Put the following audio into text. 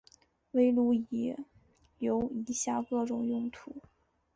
围炉里有以下各种用途。